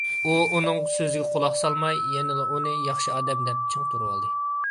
ئۇ ئۇنىڭ سۆزىگە قۇلاق سالماي، يەنىلا ئۇنى ياخشى ئادەم دەپ چىڭ تۇرۇۋالدى.